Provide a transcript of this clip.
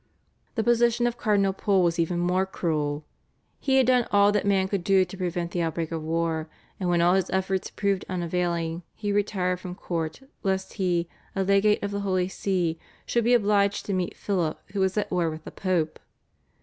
The position of Cardinal Pole was even more cruel. He had done all that man could do to prevent the outbreak of war, and when all his efforts proved unavailing, he retired from court lest he, a legate of the Holy See, should be obliged to meet Philip who was at war with the Pope.